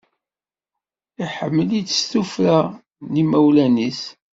Iḥemmel-itt s tuffra n yimawlan-is.